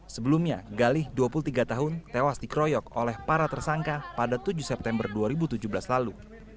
sebelumnya galih dua puluh tiga tahun tewas dikroyok oleh para tersangka pada tujuh september dua ribu tujuh belas lalu